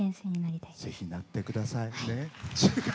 ぜひなってください。